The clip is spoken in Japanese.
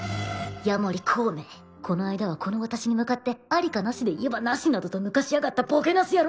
夜守コウめこの間はこの私に向かって「ありかなしでいえばなし」などと抜かしやがったボケナス野郎！